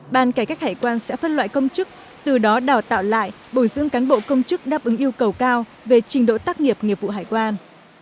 ban cải cách hải quan sẽ phân loại công chức từ đó đào tạo lại bồi dưỡng cán bộ công chức đáp ứng yêu cầu cao về trình độ tác nghiệp nghiệp vụ hải quan